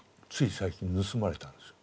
最近盗まれたんです。